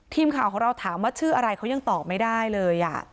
ทีมข่าวของเราถามว่าชื่ออะไรเขายังตอบไม่ได้เลย